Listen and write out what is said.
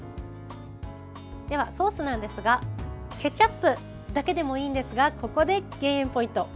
ではソースなんですがケチャップだけでもいいんですがここで減塩ポイント。